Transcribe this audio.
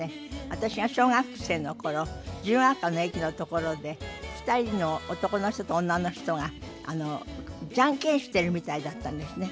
私が小学生の頃自由が丘の駅のところで２人の男の人と女の人がジャンケンしているみたいだったんですね。